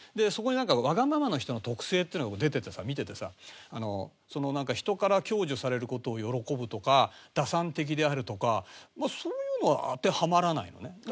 そこにわがままな人の特性っていうのが出ててさ見ててさ「人から享受される事を喜ぶ」とか「打算的である」とかそういうのは当てはまらないのね。